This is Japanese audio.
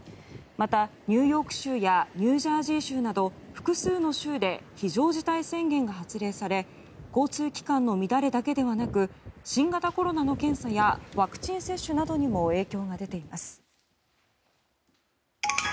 また、ニューヨーク州やニュージャージー州など複数の州で非常事態宣言が発令され交通機関の乱れだけではなく新型コロナの検査やワクチン接種などにも影響が出ています。